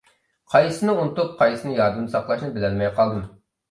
قايسىسىنى ئۇنتۇپ، قايسىسىنى يادىمدا ساقلاشنى بىلەلمەي قالدىم.